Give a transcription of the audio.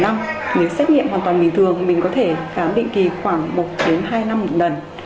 nếu xét nghiệm hoàn toàn bình thường mình có thể khám định kỳ khoảng một đến hai năm một lần